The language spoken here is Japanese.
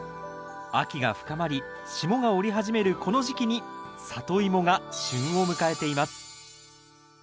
秋が深まり霜が降り始めるこの時期にサトイモが旬を迎えています。